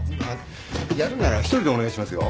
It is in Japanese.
やるなら１人でお願いしますよ。